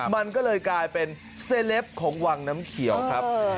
มันก็เลยกลายเป็นเซลปของวังน้ำเขียวครับ